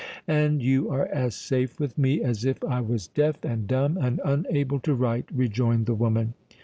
"And you are as safe with me as if I was deaf and dumb and unable to write," rejoined the woman.